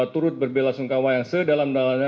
turut berbela sungkawa yang sedalam dalamnya